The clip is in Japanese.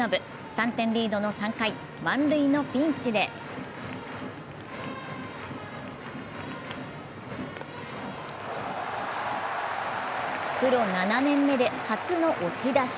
３点リードの３回、満塁のピンチでプロ７年目で初の押し出し。